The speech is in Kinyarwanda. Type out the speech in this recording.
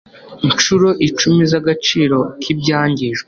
nshuro icumi z agaciro k ibyangijwe